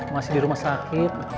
masih di rumah sakit